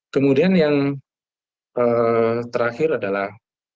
kemudian yang terakhir adalah